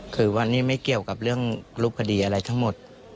คือวันนี้ไม่เกี่ยวกับเรื่องรูปคดีอะไรทั้งหมด